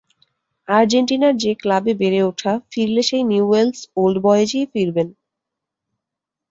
আর্জেন্টিনার যে ক্লাবে বেড়ে ওঠা, ফিরলে সেই নিউওয়েলস ওল্ড বয়েজেই ফিরবেন।